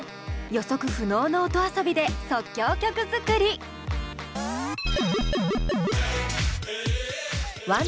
予測不能の音遊びで即興曲作り！をお届け。